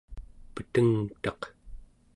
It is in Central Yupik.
petengtaq